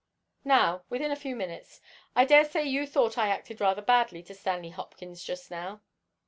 "Now—within a few minutes. I dare say you thought I acted rather badly to Stanley Hopkins just now?"